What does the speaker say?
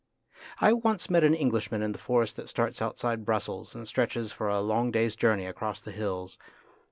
I once met an Englishman in the forest that starts outside Brussels and stretches for a long day's journey across the hills.